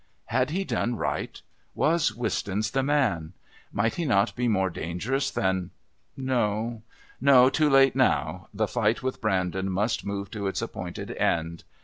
Had he done right? Was Wistons the man? Might he not be more dangerous than...? No, no, too late now. The fight with Brandon must move to its appointed end.